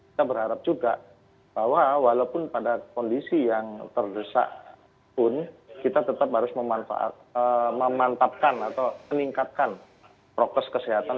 kita berharap juga bahwa walaupun pada kondisi yang terdesak pun kita tetap harus memanfaatkan atau meningkatkan prokes kesehatan